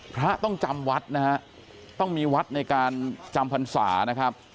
พระต้องจำวัดนะฮะต้องมีวัดในการจำพรรษานะครับ